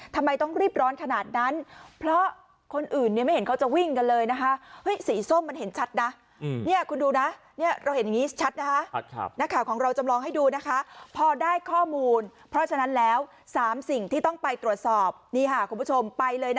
ทำไมต้องรีบร้องขนาดนั้นเพราะคนอื่นยังไม่เห็นเขาจะวิ่งกันเลยนะฮะ